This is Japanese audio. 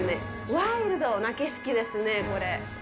ワイルドな景色ですね、これ。